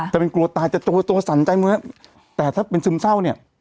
จะเป็นกลัวตายจะตัวสั่นใจเหมือนแต่ถ้าเป็นซึมเศร้าเนี่ย